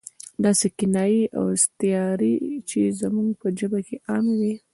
داسې کنایې او استعارې چې زموږ په ژبه کې عامې وي.